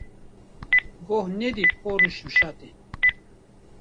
Goh nedî por û şimşatê.